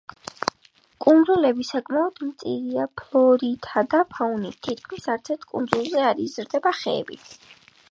კუნძულები საკმაოდ მწირია ფლორითა და ფაუნით, თითქმის არცერთ კუნძულზე არ იზრდება ხეები.